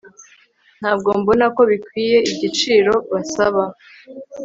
ntabwo mbona ko bikwiye igiciro basaba